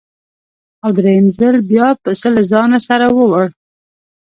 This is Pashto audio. او درېیم ځل بیا پسه له ځانه سره وړو.